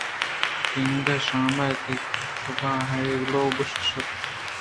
کَنٛگ شام ءَ کہ روٛباہے لوگ ءَ شُت